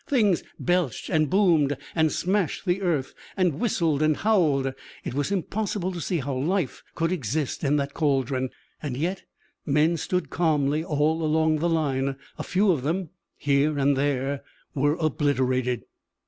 Things belched and boomed and smashed the earth and whistled and howled. It was impossible to see how life could exist in that caldron, and yet men stood calmly all along the line. A few of them, here and there, were obliterated.